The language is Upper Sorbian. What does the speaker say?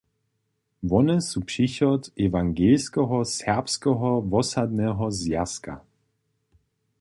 Wone su přichod ewangelskeho Serbskeho wosadneho zwjazka.